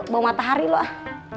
bau matahari lu ah